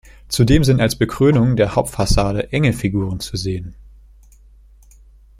Zudem sind als Bekrönung der Hauptfassade Engelfiguren zu sehen.